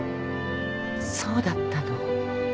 そうだったの。